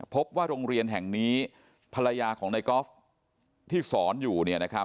พบว่าโรงเรียนแห่งนี้ภรรยาของในกอล์ฟที่สอนอยู่